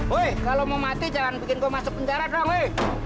weh kalau mau mati jangan bikin gue masuk penjara dong weh